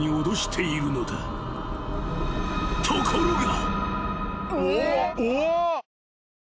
［ところが］